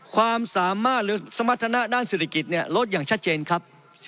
ความสามารถหรือสมรรถนะด้านเศรษฐกิจลดอย่างชัดเจนครับ